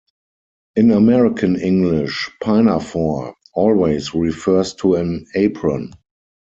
In American English, "pinafore" always refers to an apron.